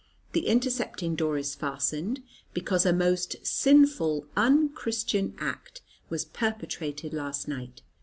The intercepting door is fastened, because a most sinful un Christian act was perpetrated last night.